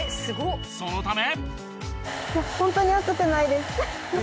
そのため。